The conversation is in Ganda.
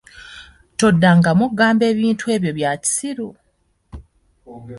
Toddangamu kungamba bintu byo bya kisiru!